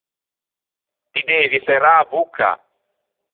Ti devi serrâ a bocca!